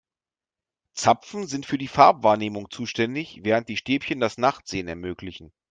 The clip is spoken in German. Zapfen sind für die Farbwahrnehmung zuständig, während die Stäbchen das Nachtsehen ermöglichen.